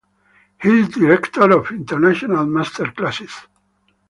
He is director of international master classes.